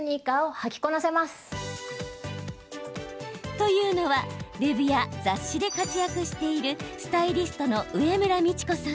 というのはウェブや雑誌で活躍しているスタイリストの植村美智子さん。